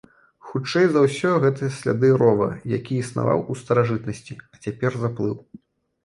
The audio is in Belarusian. Хутчэй за ўсё гэта сляды рова, які існаваў у старажытнасці, а цяпер заплыў.